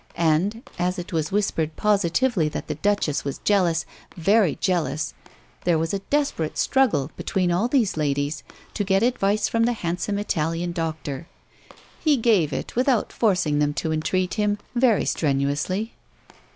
And, as it was whispered positively that the Duchess was jealous, very jealous, there was a desperate struggle between all these ladies to get advice from the handsome Italian doctor. He gave it without forcing them to entreat him very strenuously.